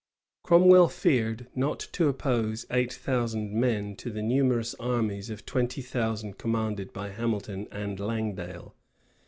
Cromwell feared not to oppose eight thousand men to the numerous armies of twenty thousand commanded by Hamilton and Langdale.